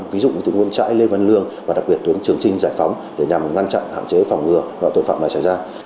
ví dụ như tuyên trại lê văn lương và đặc biệt tuyến trường trinh giải phóng để nhằm ngăn chặn hạn chế phòng ngừa loại tội phạm này trải ra